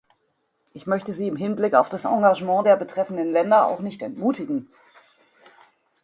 Ich möchte Sie im Hinblick auf das Engagement der betreffenden Länder auch nicht entmutigen.